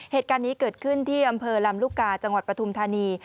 เหตุการณ์นี้เกิดขึ้นที่อำเภอลำลูกกาจังหวัดปฐุมธานี